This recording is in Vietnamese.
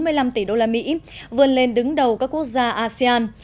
điều này đã giúp các nước mỹ vươn lên đứng đầu các quốc gia asean